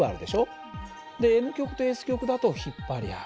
でＮ極とＳ極だと引っ張り合う。